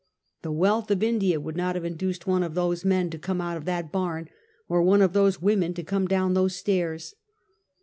The wealth of India would not have induced one of those men to come out of that barn, or one of those women to come down those stairs.